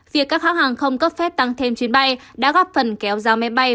việc các hãng hàng không cấp phép tăng thêm chuyến bay đã góp phần kéo giá máy bay